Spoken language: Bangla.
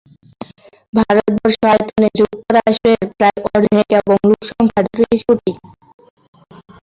ভারতবর্ষ আয়তনে যুক্তরাষ্ট্রের প্রায় অর্ধেক এবং লোকসংখ্যা ত্রিশ কোটি।